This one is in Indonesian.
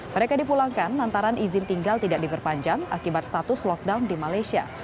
mereka dipulangkan lantaran izin tinggal tidak diperpanjang akibat status lockdown di malaysia